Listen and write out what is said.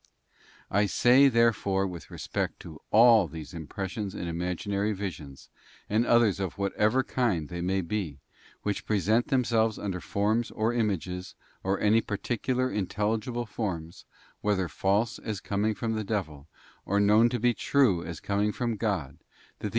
I say therefore with respect to all these impressions and imaginary visions, and others of whatever kind they may be, which present themselves under forms or images, or any particular intelligible forms, whether false as coming from the devil, or known to be true as coming from God, that the ee IMAGINATION CANNOT PICTURE GOD.